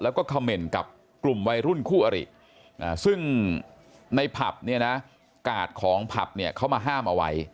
แล้วก็คอมเมนต์กับกลุ่มวัยรุ่นคู่อริซึ่งในผับกาดของผับเขามาห้ามเอาไว้